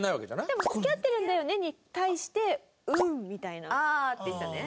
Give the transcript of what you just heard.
でも「付き合ってるんだよね？」に対して「うん」みたいな。「ああ」って言ってたね。